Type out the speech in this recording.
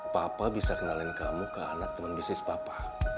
papa bisa kenalin kamu ke anak cuma bisnis papa